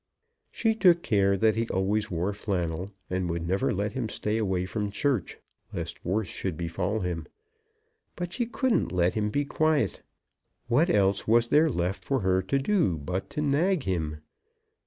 She took care that he always wore flannel, and would never let him stay away from church, lest worse should befall him. But she couldn't let him be quiet. What else was there left for her to do but to nag him?